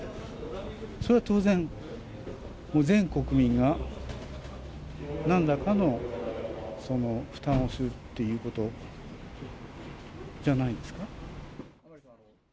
それは当然、全国民が何らかの負担をするっていうことじゃないですか。